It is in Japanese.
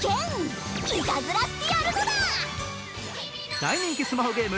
大人気スマホゲーム